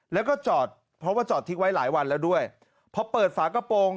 แล้วก็จอดเพราะว่าจอดทิ้งไว้หลายวันแล้วด้วยพอเปิดฝากระโปรง